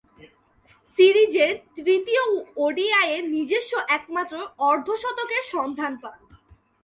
সিরিজের তৃতীয় ওডিআইয়ে নিজস্ব একমাত্র অর্ধ-শতকের সন্ধান পান।